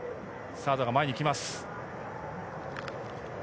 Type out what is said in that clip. サードが前にきます。